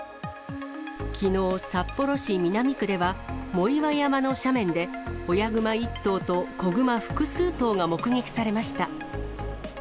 きのう、札幌市南区では藻岩山の斜面で、親グマ１頭と子グマ複数頭が目撃されました。